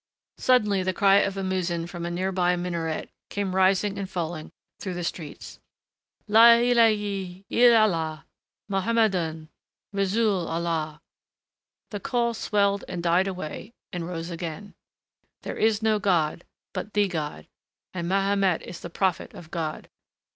Suddenly the cry of a muezzin from a nearby minaret came rising and falling through the streets. "La illahé illallah Mohammedun Ressoulallah " The call swelled and died away and rose again ... There is no God but the God and Mahomet is the Prophet of God